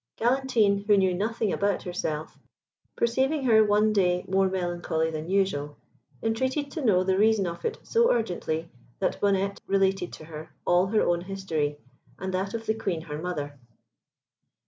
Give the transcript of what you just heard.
Galantine, who knew nothing about herself, perceiving her one day more melancholy than usual, entreated to know the reason of it so urgently, that Bonnette related to her all her own history and that of the Queen her mother.